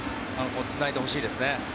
つないでほしいですね。